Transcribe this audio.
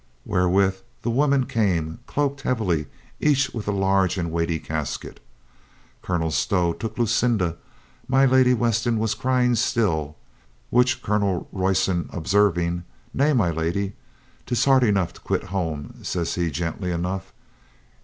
Wherewith the women came, cloaked heavily, each with a large and weighty casket. Colonel Stow took Lucinda. My Lady Weston was crying still, which Colonel Royston observing, "Nay, my lady, 'tis hard enough to quit home," says he gently enough.